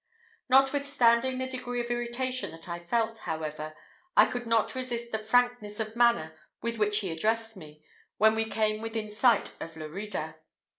Notwithstanding the degree of irritation that I felt, however, I could not resist the frankness of manner with which he addressed me, when we came within sight of Lerida.